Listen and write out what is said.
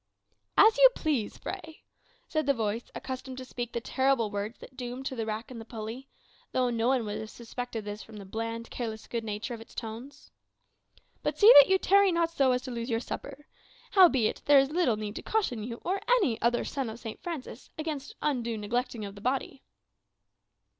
"As you please, Fray," said the voice accustomed to speak the terrible words that doomed to the rack and the pulley, though no one would have suspected this from the bland, careless good nature of its tones. "But see that you tarry not so as to lose your supper. Howbeit, there is little need to caution you, or any other son of St. Francis, against undue neglecting of the body."